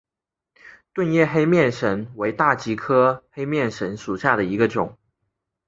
钝叶黑面神为大戟科黑面神属下的一个种。